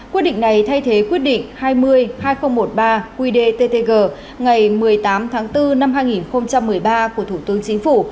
quy định này thay thế quyết định hai mươi hai nghìn một mươi ba quy đề ttg ngày một mươi tám tháng bốn năm hai nghìn một mươi ba của thủ tướng chính phủ